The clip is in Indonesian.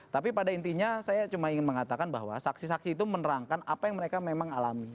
tapi pada intinya saya cuma ingin mengatakan bahwa saksi saksi itu menerangkan apa yang mereka memang alami